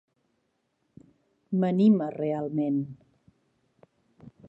M'anima realment.